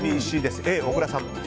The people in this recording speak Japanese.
Ａ、小倉さん。